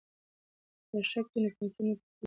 که تراشک وي نو پنسل نه پڅیږي.